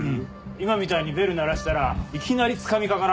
今みたいにベル鳴らしたらいきなりつかみかかられて。